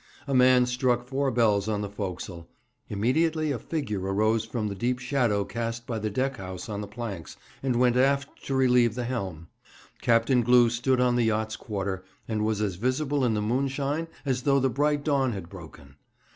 A man struck four bells on the forecastle. Immediately a figure arose from the deep shadow cast by the deck house on the planks, and went aft to relieve the helm. Captain Glew stood on the yacht's quarter, and was as visible in the moonshine as though the bright dawn had broken.